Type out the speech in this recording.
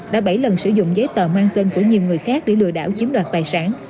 đã bảy lần sử dụng giấy tờ mang tên của nhiều người khác để lừa đảo chiếm đoạt tài sản